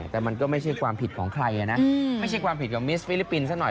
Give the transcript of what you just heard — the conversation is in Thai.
แต่มันก็ไม่ใช่ความผิดของใครนะไม่ใช่ความผิดของมิสฟิลิปปินส์ซะหน่อย